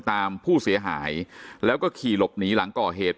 ตามผู้เสียหายแล้วก็ขี่หลบหนีหลังก่อเหตุ